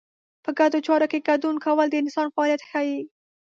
په ګډو چارو کې ګډون کول د انسان فعالیت ښيي.